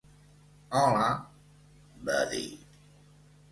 Hola, va dir.